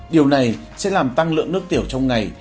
điều này sẽ làm tăng lượng nước tiểu trong ngày